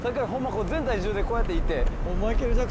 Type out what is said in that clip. こう全体重でこうやっていって。